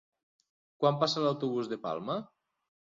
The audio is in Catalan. Quan passa l'autobús per Palma?